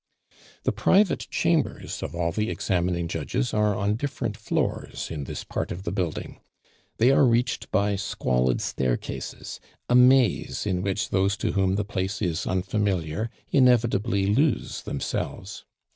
The private chambers of all the examining judges are on different floors in this part of the building. They are reached by squalid staircases, a maze in which those to whom the place is unfamiliar inevitably lose themselves.